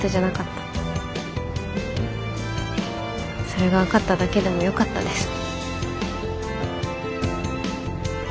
それが分かっただけでもよかったです。